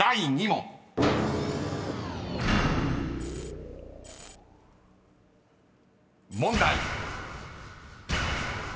［問題］